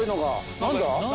何だ？